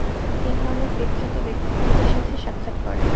তিনি অনেক বিখ্যাত ব্যক্তিত্বদের সাথে সাক্ষাৎ করেন।